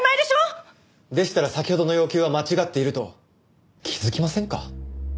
でしたら先ほどの要求は間違っていると気づきませんか？